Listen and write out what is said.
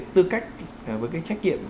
tư cách với trách nhiệm